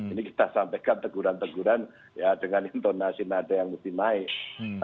ini kita sampaikan teguran teguran ya dengan intonasi nada yang mesti naik